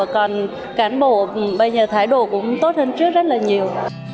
còn cán bộ bây giờ thay đổi cũng tốt hơn trước rất là nhiều